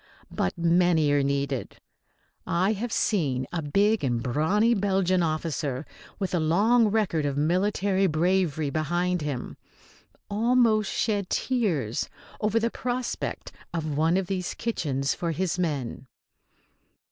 But many are needed. I have seen a big and brawny Belgian officer, with a long record of military bravery behind him, almost shed tears over the prospect of one of these kitchens for his men.